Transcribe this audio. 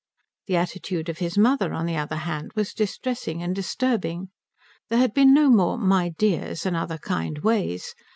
The attitude of his mother, on the other hand, was distressing and disturbing. There had been no more My dears and other kind ways.